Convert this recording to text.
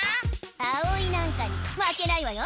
あおいなんかにまけないわよ！